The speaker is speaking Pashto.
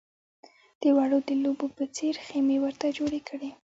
د وړو د لوبو په څېر خېمې ورته جوړې کړې.